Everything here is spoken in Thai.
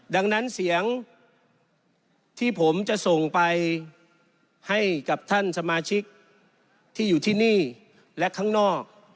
ดังนั้นเสียงที่ผมจะส่งไปให้กับท่านสมาชิกที่อยู่ที่นี่และข้างนอก